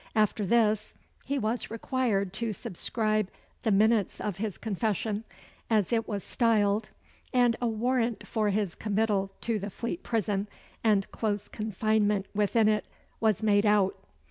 After this, he was required to subscribe the minutes of his confession, as it was styled; and a warant for his committal to the Fleet Prison, and close confinement within it, was made out.